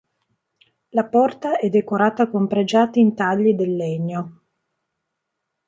La porta è decorata con pregiati intagli del legno.